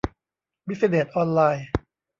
บิซิเนส ออนไลน์